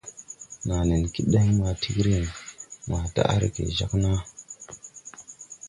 Naa nen kid den maa tigrin maa daʼ rege jāg naa.